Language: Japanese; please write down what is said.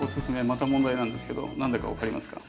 また問題なんですけど何だか分かりますか？